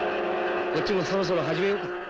こっちもそろそろ始めようか。